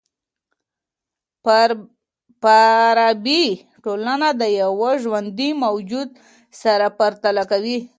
فارابي ټولنه د یوه ژوندي موجود سره پرتله کوي.